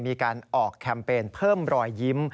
มีการออกแคมเปญเพิ่มรอยยิ้ม